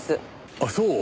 あっそう。